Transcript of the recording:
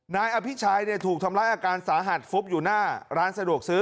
นายอภิชัยถูกทำร้ายอาการสาหัสฟุบอยู่หน้าร้านสะดวกซื้อ